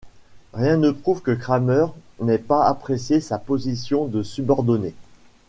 Rien ne prouve que Cranmer n'ait pas apprécié sa position de subordonné.